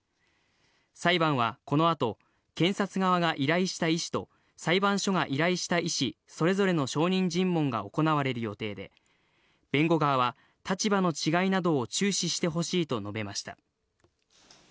裁判はこの後、検察側が依頼した医師と裁判所が依頼した医師、それぞれの証人尋問が行われる予定で、弁護側は立場の違いなどを注視してほしいと述べました。